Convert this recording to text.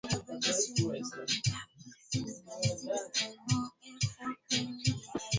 Kiwango cha maambukizi hutegemeana na wingi wa wadudu waumao